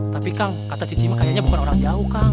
tapi kang kata cici makanya bukan orang jauh kang